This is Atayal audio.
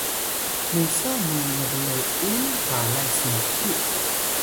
musa mu nble’un balay smku